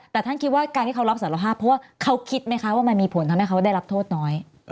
แต่ท่านคิดว่าการที่เขารับสารภาพเพราะว่าเขาคิดไหมคะว่ามันมีผลทำให้เขาได้รับโทษน้อย